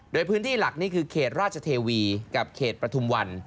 โดยพื้นที่หลักนี่คือเขตราชเทวีกับเขตประทุมวัน